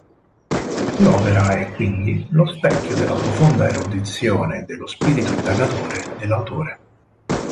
L'opera è, quindi, lo specchio della profonda erudizione e dello spirito indagatore dell'Autore.